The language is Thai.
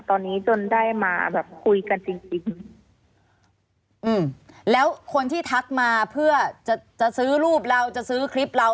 ตอนนี้จนได้มาแบบคุยกันจริงจริงอืมแล้วคนที่ทักมาเพื่อจะจะซื้อรูปเราจะซื้อคลิปเรา